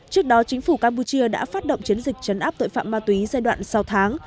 trước đó chính phủ campuchia đã phát động chiến dịch chấn áp tội phạm ma túy giai đoạn sáu tháng